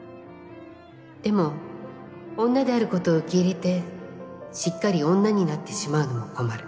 でも女であることを受け入れてしっかり女になってしまうのも困る